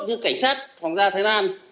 như cảnh sát hoàng gia thái lan